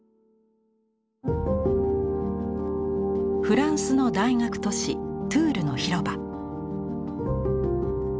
フランスの大学都市トゥールの広場。